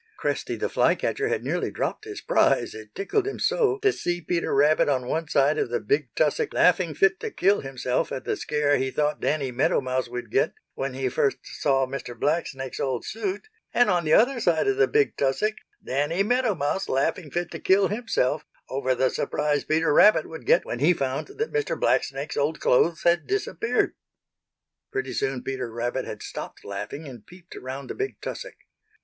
Cresty the Fly catcher had nearly dropped his prize, it tickled him so to see Peter Rabbit on one side of the big tussock laughing fit to kill himself at the scare he thought Danny Meadow Mouse would get when he first saw Mr. Blacksnake's old suit, and on the other side of the big tussock Danny Meadow Mouse laughing fit to kill himself over the surprise Peter Rabbit would get when he found that Mr. Blacksnake's old clothes had disappeared. Pretty soon Peter Rabbit had stopped laughing and peeped around the big tussock.